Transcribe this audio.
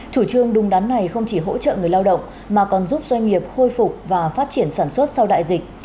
chủ trương đúng đắn này không chỉ hỗ trợ người lao động mà còn giúp doanh nghiệp khôi phục và phát triển sản xuất sau đại dịch